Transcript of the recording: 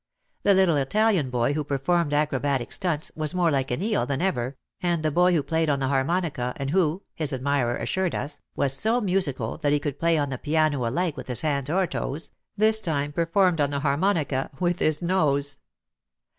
The little Italian boy who per formed acrobatic stunts was more like an eel than ever and the boy who played on the harmonica and who, his admirers assured us, was so musical that he could play on the piano alike with his hands or toes, this time per formed on the harmonica with his nose.